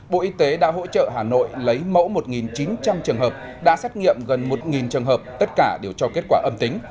bộ y tế đã hỗ trợ hà nội lấy mẫu một chín trăm linh trường hợp đã xét nghiệm gần một trường hợp tất cả đều cho kết quả âm tính